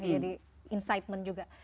jadi insightment juga